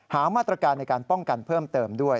หามาตรการในการป้องกันเพิ่มเติมด้วย